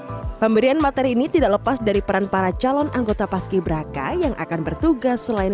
jadi bagian ini tidak lepas dari peran para calon anggota paski braka yang akan bertugas selain